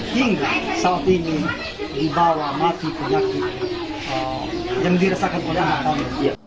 hingga saat ini dibawa mati penyakit yang dirasakan oleh anak kami